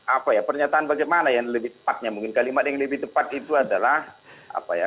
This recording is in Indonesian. apa ya pernyataan bagaimana yang lebih tepatnya mungkin kalimat yang lebih tepat itu adalah apa ya